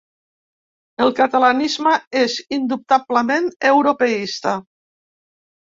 El catalanisme és indubtablement europeista.